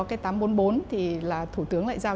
cái tám trăm bốn mươi bốn thì là thủ tướng lại giao